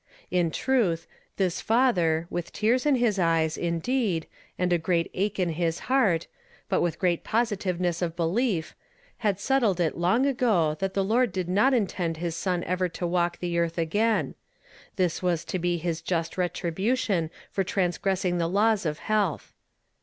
In truth, this father, with tears in his eyes, indeed, and a great ache in his heart, but with great positiveness of belief, had settled it long ago that the Lord did not intend his son ever to walk the earth again; this was to be his just retribution for transgressing the laws of health.